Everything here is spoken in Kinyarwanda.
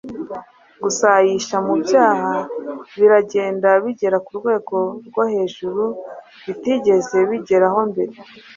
Gusayisha mu byaha biragenda bigera ku rwego rwo hejuru bitigeze bigeraho mbere,